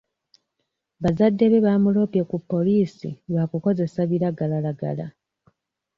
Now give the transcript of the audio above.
Bazadde be baamuloopye ku poliisi lwa kukozesa biragalalagala.